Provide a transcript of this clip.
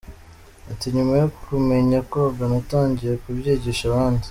Ati “Nyuma yo kumenya koga natangiye kubyigisha abandi.